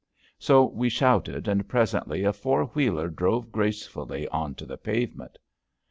So we shouted, and presently a four wheeler drove gracefully on to the pavement.